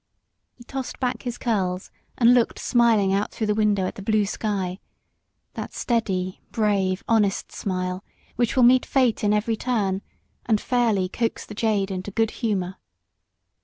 He tossed back his curls, and looked smiling out through the window at the blue sky; that steady, brave, honest smile, which will meet Fate in every turn, and fairly coax the jade into good humour.